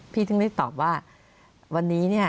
ถึงได้ตอบว่าวันนี้เนี่ย